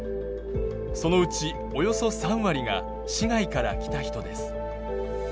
そのうちおよそ３割が市外から来た人です。